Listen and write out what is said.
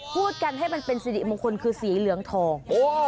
พูดกันให้มันเป็นสิริมงคลคือสีเหลืองทอง